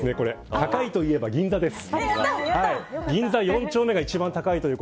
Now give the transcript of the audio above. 高いといえば銀座です。